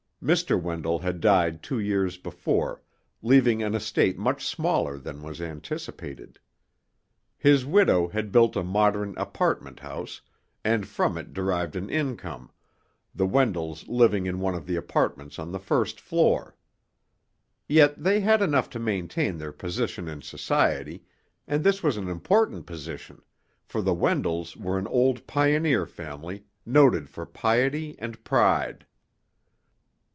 Mr. Wendell had died two years before, leaving an estate much smaller than was anticipated. His widow had built a modern apartment house, and from it derived an income, the Wendells living in one of the apartments on the first floor. Yet they had enough to maintain their position in society, and this was an important position, for the Wendells were an old pioneer family, noted for piety and pride.